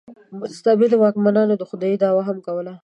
مستبدو واکمنانو د خدایي دعوا هم کوله.